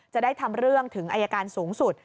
จะได้ทำเรื่องถึงอายการสูงสุด